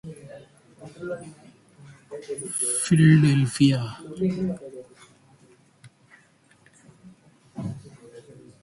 It is open to all French rugby league clubs.